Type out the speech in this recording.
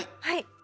はい！